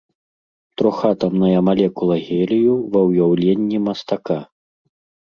Трохатамная малекула гелію ва ўяўленні мастака.